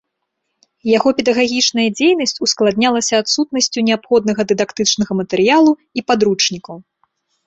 Яго педагагічная дзейнасць ускладнялася адсутнасцю неабходнага дыдактычнага матэрыялу і падручнікаў.